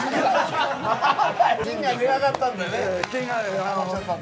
金が値上がったんだよね。